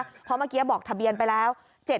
เพราะเมื่อกี้บอกทะเบียนไปแล้ว